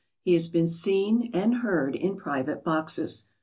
He has been seen and heard in private boxes.